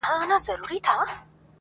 په هډوکو او په غوښو دایم موړ ؤ.